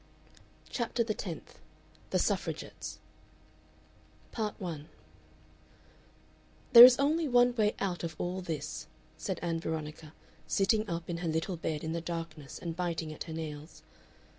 CHAPTER THE TENTH THE SUFFRAGETTES Part 1 "There is only one way out of all this," said Ann Veronica, sitting up in her little bed in the darkness and biting at her nails.